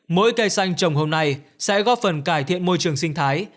mỗi cây xanh trồng hôm nay sẽ góp phần cải thiện môi trường sinh thái